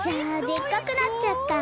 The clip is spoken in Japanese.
でっかくなっちゃった！